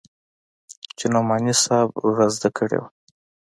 چې نعماني صاحب رازده کړې وه.